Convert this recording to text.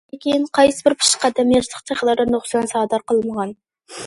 لېكىن قايسىبىر پېشقەدەم ياشلىق چاغلىرىدا نۇقسان سادىر قىلمىغان؟!